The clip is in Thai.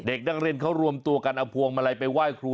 เด็กนักเรียนเขารวมตัวกันเอาพวงมาลัยไปไหว้ครู